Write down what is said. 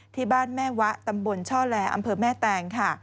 ที่บ้านแม่วะตำบลช่อแลอำเภอแม่แตงค่ะ